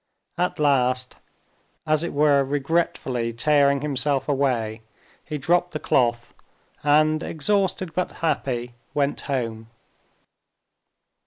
At last, as it were regretfully tearing himself away, he dropped the cloth, and, exhausted but happy, went home.